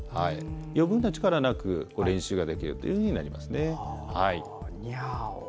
余分な力なく練習ができるっていうふうになりますね。